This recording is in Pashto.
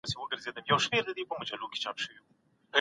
مه ساتئ.